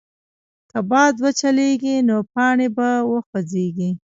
که باد وچلېږي، نو پاڼې به وخوځېږي.